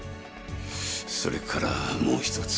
それからもう一つ。